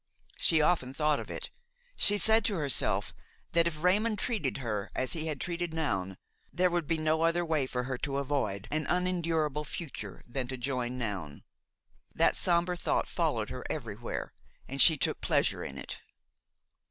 She often thought of it; she said to herself that if Raymon treated her as he had treated Noun there would be no other way for her to avoid an unendurable future than to join Noun. That sombre thought followed her everywhere and she took pleasure in it.